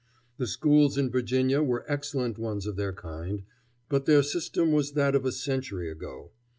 The schools in Virginia were excellent ones of their kind, but their system was that of a century ago.